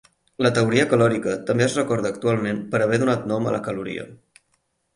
La teoria calòrica també es recorda actualment per haver donat nom a la caloria.